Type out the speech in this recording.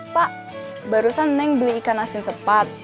pak barusan neng beli ikan asin sepat